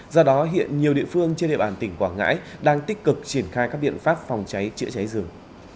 do đó hiện nhiều địa phương trên địa bàn tỉnh quảng ngãi đang tích cực triển khai các biện pháp phòng cháy chữa cháy rừng